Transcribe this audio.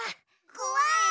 こわい！